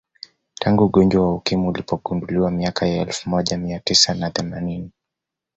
Tangu ugonjwa wa Ukimwi ulipogunduliwa miaka ya elfu moja mia tisa na themanini